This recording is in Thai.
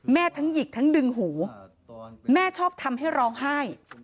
ทั้งหยิกทั้งดึงหูแม่ชอบทำให้ร้องไห้